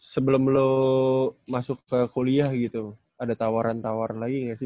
sebelum lo masuk ke kuliah gitu ada tawaran tawaran lagi nggak sih